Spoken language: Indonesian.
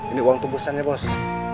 ini uang tubuh sennya bos